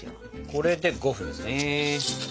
これで５分ですね。